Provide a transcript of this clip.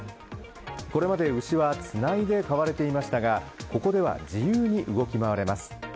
これまで、牛はつないで飼われていましたがここでは自由に動き回れます。